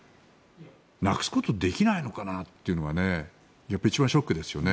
なくすことできないのかなってやっぱり一番ショックですよね。